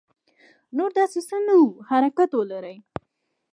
نور داسې څه نه وو چې حرکت ولري.